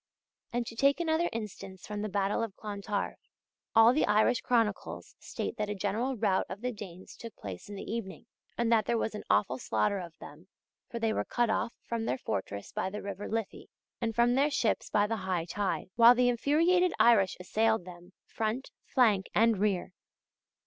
And to take another instance from the battle of Clontarf: All the Irish chronicles state that a general rout of the Danes took place in the evening, and that there was an awful slaughter of them, for they were cut off from their fortress by the river Liffey, and from their ships by the high tide; while the infuriated Irish assailed them, front, flank, and rear.